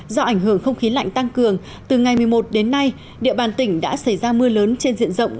do ảnh hưởng không khí lạnh tăng cường từ ngày một mươi một đến nay địa bàn tỉnh đã xảy ra mưa lớn trên diện rộng